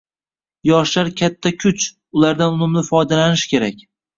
Yoshlar katta kuch, ulardan unumli foydalanish kerak